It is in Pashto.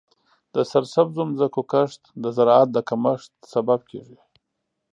د سرسبزو ځمکو کمښت د زراعت د کمښت سبب کیږي.